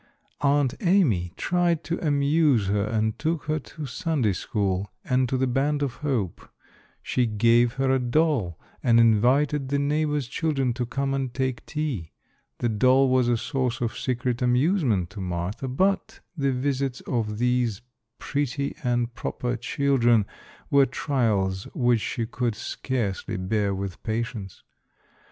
Aunt Amy tried to amuse her and took her to Sunday school, and to the Band of Hope. She gave her a doll and invited the neighbor's children to come and take tea. The doll was a source of secret amusement to Martha, but the visits of these pretty and proper children were trials which she could scarcely bear with patience.